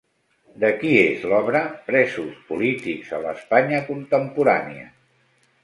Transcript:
De qui és l'obra 'Presos polítics a l'Espanya contemporània'?